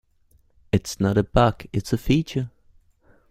It's not a bug, it's a feature!